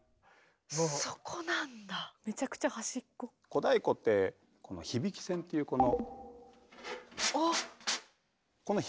小太鼓って響き線っていうこの。